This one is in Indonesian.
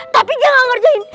tapi dia ga ngerjain